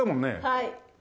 はい。